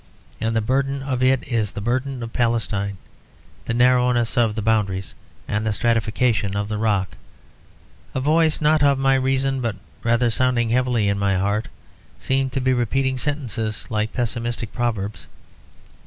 And the burden of it is the burden of Palestine; the narrowness of the boundaries and the stratification of the rock. A voice not of my reason but rather sounding heavily in my heart, seemed to be repeating sentences like pessimistic proverbs.